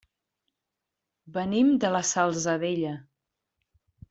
Venim de la Salzadella.